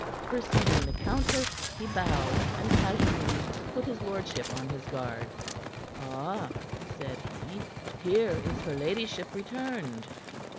Perceiving the countess, he bowed, and casually put his lordship on his guard. "Ah!" said he. "Here is her ladyship returned."